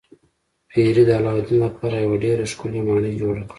پیري د علاوالدین لپاره یوه ډیره ښکلې ماڼۍ جوړه کړه.